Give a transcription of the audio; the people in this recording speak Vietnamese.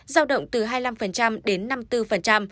giao động từ hai mươi năm đến năm mươi bốn